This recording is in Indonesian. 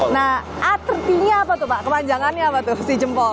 nah arti nya apa tuh pak kepanjangannya apa tuh si jempol